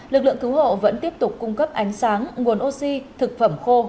lực lượng cứu hộ vẫn tiếp tục cung cấp ánh sáng nguồn oxy thực phẩm khô